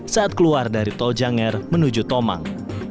saat keluar dari tol janger menuju tomang